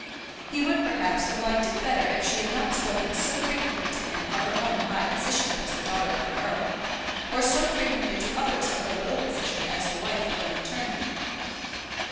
He would perhaps have liked it better if she had not spoken so frequently to him of her own high position as the daughter of an earl, or so frequently to others of her low position as the wife of an attorney.